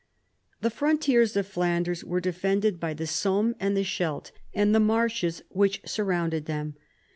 The frontiers of Flanders were defended by the Somme and the Scheldt, and the marshes which sur rounded them.